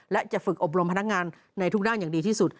และจะฝึกอบรมพนักงานในทุกด้านอย่างดีที่สุด